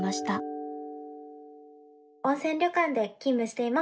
温泉旅館で勤務しています。